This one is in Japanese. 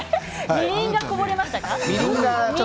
みりんがこぼれましたか？